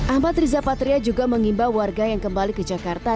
ahmad riza patria juga mengimbau warga yang kembali ke jakarta